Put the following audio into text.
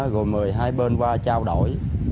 rồi mời hai bên qua trao đổi